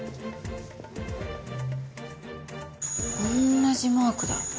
同じマークだ。